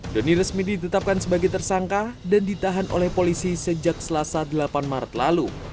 doni resmi ditetapkan sebagai tersangka dan ditahan oleh polisi sejak selasa delapan maret lalu